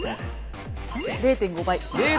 ０．５倍。